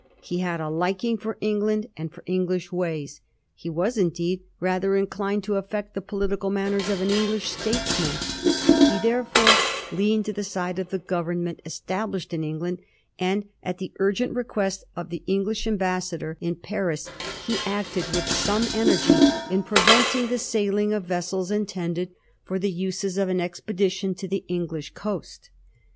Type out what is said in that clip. He had a liking for England and for English ways ; he was, indeed, rather inclined to affect the political manners of an English statesman. He therefore leaned to the side of the Government established in England; aud, at the urgent request of the English Ambassador in Digiti zed by Google 1715 THREE CONDITIONS OF INSURRECTION. 155 Paris, he acted with sorre energy in preventing the sailing of vessels intended for the uses of an expedition to the English coast.